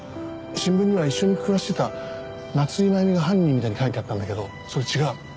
新聞には一緒に暮らしてた夏井真弓が犯人みたいに書いてあったんだけどそれ違う！